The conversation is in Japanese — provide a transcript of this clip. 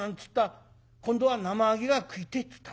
今度は『生揚げが食いてえ』っつったな。